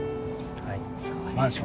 はい。